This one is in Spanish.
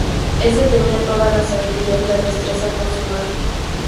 Éste tenía toda la sabiduría y la destreza con su mano.